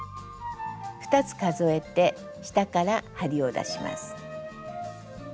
２つ数えて下から針を出します。